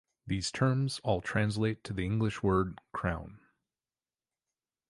These terms all translate to the English word "crown".